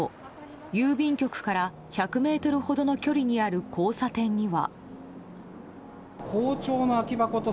郵便局から１００ｍほどの距離にある交差点には。